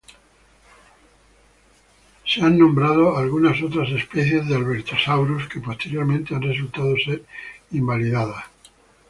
Han sido nombradas algunas otras especies de "Albertosaurus" que posteriormente han resultado ser inválidas.